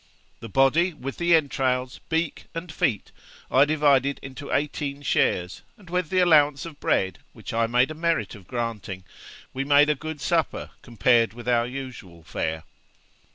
The body, with the entrails, beak, and feet, I divided into eighteen shares, and with the allowance of bread, which I made a merit of granting, we made a good supper compared with our usual fare.